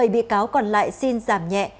bảy bị cáo còn lại xin giảm nhẹ